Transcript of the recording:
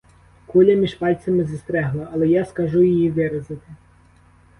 Куля між пальцями застрягла, але я скажу її вирізати.